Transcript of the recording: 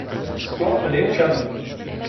Square Léon Jamin.